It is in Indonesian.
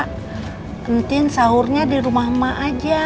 nanti sahurnya di rumah mak